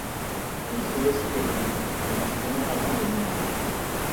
On y trouve aussi des Lobi mais ils sont généralement des nomades.